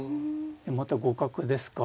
また互角ですか。